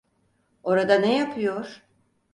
Orada ne yapıyor?